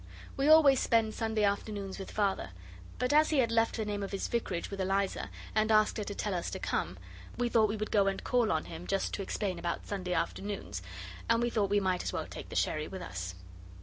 We always spend Sunday afternoons with Father. But as he had left the name of his vicarage with Eliza, and asked her to tell us to come, we thought we would go and call on him, just to explain about Sunday afternoons, and we thought we might as well take the sherry with us.